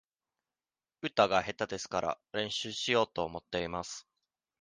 歌が下手ですから、練習しようと思っています。